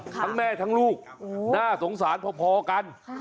ทั้งแม่ทั้งลูกน่าสงสารพอกัน